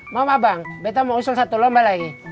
maaf abang beto mau usul satu lomba lagi